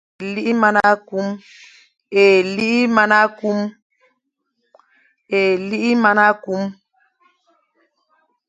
Éli é mana kum.